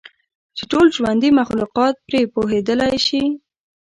چې ټول ژوندي مخلوقات پرې پوهیدلی شي.